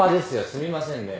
すみませんね。